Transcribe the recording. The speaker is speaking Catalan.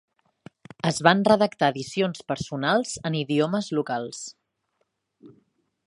Es van redactar edicions personals en idiomes locals.